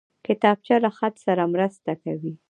کتابچه له خط سره مرسته کوي